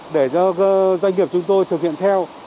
để cho doanh nghiệp chúng tôi thực hiện theo